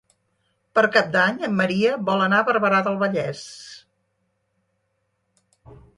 Per Cap d'Any en Maria vol anar a Barberà del Vallès.